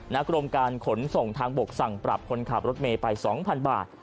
กรมการขนส่งทางบกสั่งปรับคนขับรถเมย์ไป๒๐๐๐บาท